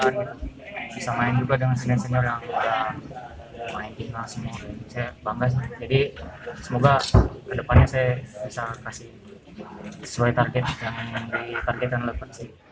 jadi semoga ke depannya saya bisa kasih sesuai target yang di targetan liga satu